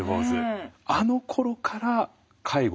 あのころから介護？